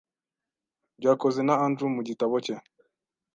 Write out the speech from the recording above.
byakozwe na Andrew mu gitabo cye